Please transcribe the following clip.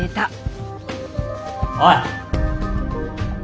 おい！